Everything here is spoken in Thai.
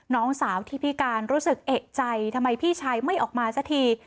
น้องสาวที่พิการรู้สึกเอกใจทำไมพี่ชายไม่ออกมาสักที